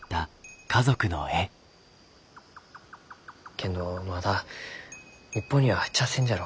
けんどまだ日本には入っちゃあせんじゃろう？